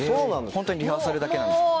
本当にリハーサルだけなんですね。